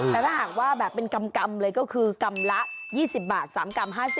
แต่ถ้าหากว่าแบบเป็นกำเลยก็คือกรัมละ๒๐บาท๓กรัม๕๐